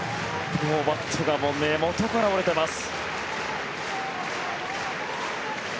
バットが根元から折れています。